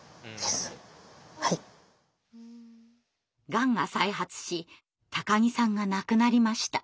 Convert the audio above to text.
がんが再発し木さんが亡くなりました。